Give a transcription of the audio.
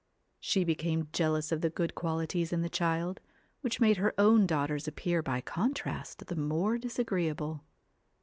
She became jealous of the good qualities in the child, which made her own daughters appear by contrast the more disagreeable.